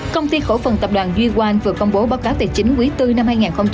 công ty khổ phần tập đoàn duy quang vừa công bố báo cáo tài chính quý tư năm hai nghìn hai mươi một